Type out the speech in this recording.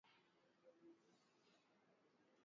Viazi lishe vya kuchemshwa na kupondwapondwa nusu